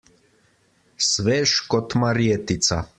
Svež kot marjetica.